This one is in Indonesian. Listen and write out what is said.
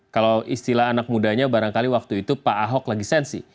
kalau istilah anak mudanya barangkali waktu itu pak ahok lagi sensi